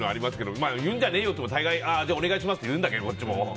まあ、言うんじゃねえよっていっても大概、お願いしますって言うんだけどね、こっちも。